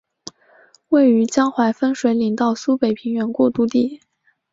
位于江淮分水岭到苏北平原过度地。